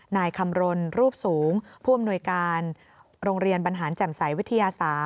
นายคำรณรูปสูงผู้อำนวยการโรงเรียนบรรหารแจ่มใสวิทยาศาส